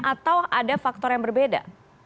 atau ada faktor yang berbeda